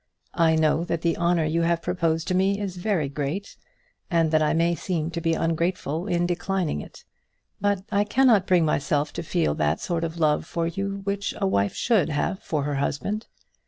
I know that the honour you have proposed to me is very great, and that I may seem to be ungrateful in declining it; but I cannot bring myself to feel that sort of love for you which a wife should have for her husband.